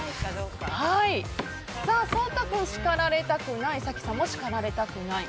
颯太君、叱られたくない早紀さんも叱られたくない。